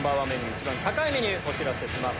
一番高いメニューお知らせします！